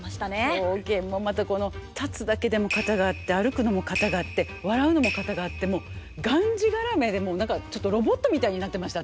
狂言もまたこの立つだけでも型があって歩くのも型があって笑うのも型があってもうがんじがらめで何かちょっとロボットみたいになってました